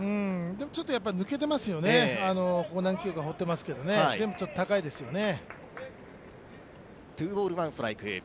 ちょっと抜けていますよね、ここ何球か放っていますけど全部高いですよね。